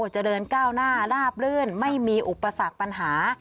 เจริญก้าวหน้าลาบลื่นไม่มีอุปสรรคปัญหา